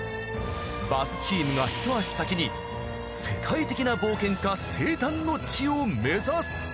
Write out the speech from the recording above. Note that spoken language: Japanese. バスチームが一足先に世界的な冒険家生誕の地を目指す。